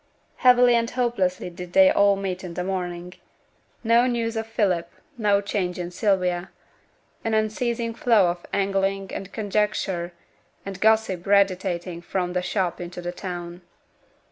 Heavily and hopelessly did they all meet in the morning. No news of Philip, no change in Sylvia; an unceasing flow of angling and conjecture and gossip radiating from the shop into the town.